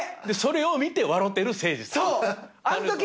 でそれを見て笑てるせいじさん。